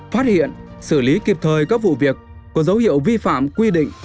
phát hiện xử lý kịp thời các vụ việc có dấu hiệu vi phạm quy định